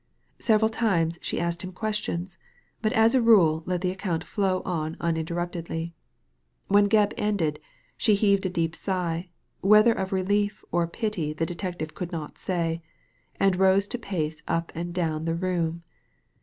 Several times she asked questions, but as a rule let the account flow ___ linterruptedly. WhenXjebb ended, she heaved a deep sigh, whether of relief or pity the detective could not say, and rose to pace up and down the room.